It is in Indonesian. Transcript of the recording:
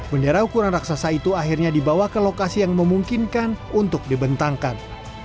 bendera ukuran raksasa itu akhirnya dibawa ke lokasi yang memungkinkan untuk dibentangkan